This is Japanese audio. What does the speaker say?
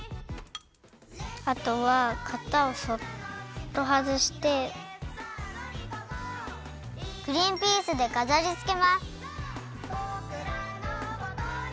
あとはかたをそっとはずしてグリンピースでかざりつけます。